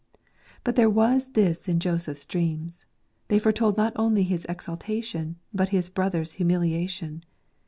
But there was this in Joseph's dreams, they foretold not only his exaltation, but his brothers' humiliation.